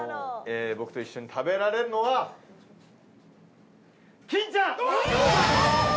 僕と一緒に食べられるのは金ちゃん！